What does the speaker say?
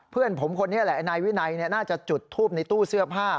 เพื่อนผมคนนี้แหละนายวินัยน่าจะจุดทูปในตู้เสื้อผ้า